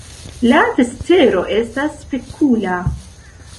La cetero estas spekula.